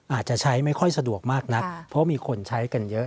อาจจะใช้ไม่ค่อยสะดวกมากนักเพราะมีคนใช้กันเยอะ